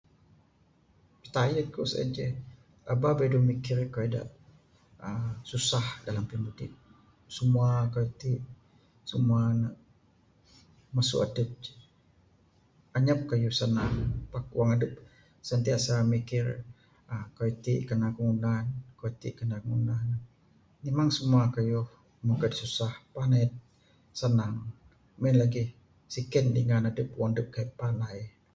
Pitayun aku sien inceh, aba biadu mikir kayuh da aaa susah dalam pimudip, semua kayuh ti semua nuh masu adup ceh. Anyap kayuh sanang pak wang adup sentiasa mikir aaa kayuh ti kanan aku ngunah kayuh ti kanan aku ngunah nuh, memang semua kayuh da susah panai sanang. Mung en lagih siken dingan adup wang adup kaii panai.